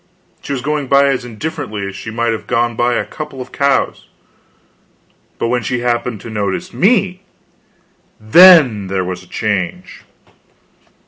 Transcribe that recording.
She was going by as indifferently as she might have gone by a couple of cows; but when she happened to notice me, then there was a change!